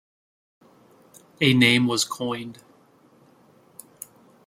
A name was coined.